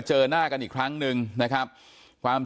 เกรดฟิวคาดไม่รู้พ่อบอกไม่รู้